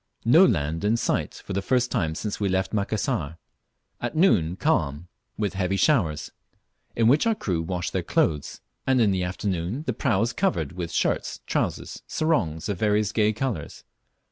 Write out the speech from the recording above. No land in sight for the first time since we left Macassar. At noon calm, with heavy showers, in which our crew wash their clothes, anti in the afternoon the prau is covered with shirts, trousers, and sarongs of various gay colours.